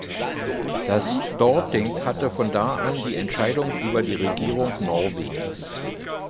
Das Storting hatte von da an die Entscheidung über die Regierung Norwegens.